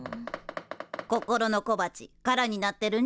心の小鉢空になってるねえ。